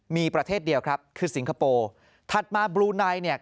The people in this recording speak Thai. มีประเทศเดียวครับคือสิงคโปร์ถัดมาบลูไนเนี่ย